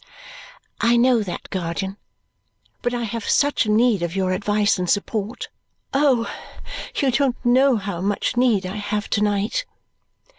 "I know that, guardian. But I have such need of your advice and support. Oh! You don't know how much need I have to night."